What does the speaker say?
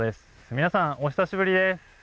皆さんお久しぶりです！